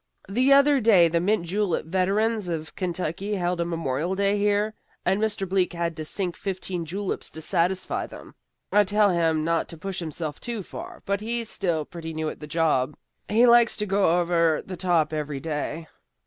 The other day the Mint Julep Veterans of Kentucky held a memorial day here, and Mr. Bleak had to sink fifteen juleps to satisfy them. I tell him not to push himself too far, but he's still pretty new at the job. He likes to go over the top every day."